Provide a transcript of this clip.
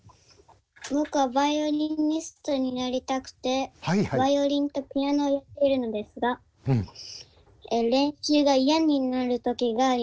僕はバイオリニストになりたくてバイオリンとピアノをやってるのですが練習が嫌になる時があります。